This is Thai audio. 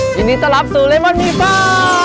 ยินดีต้อนรับสู่เลมอนมีฟ้า